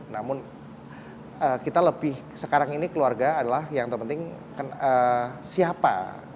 namun kita lebih sekarang ini keluarga adalah yang terpenting siapa